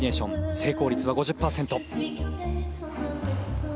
成功率は５０％。